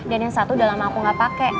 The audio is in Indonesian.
dan yang satu udah lama aku gak pake